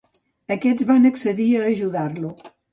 Aquests van accedir a ajudar-lo.